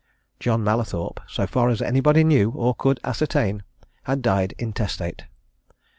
John Mallathorpe, so far as anybody knew or could ascertain, had died intestate.